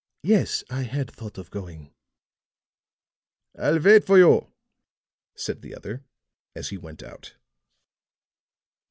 "Yes, I had thought of going." "I'll wait for you," said the other, as he went out.